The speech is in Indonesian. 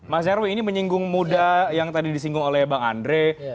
mas nyarwi ini menyinggung muda yang tadi disinggung oleh bang andre